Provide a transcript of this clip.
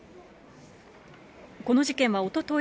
この事件はおととい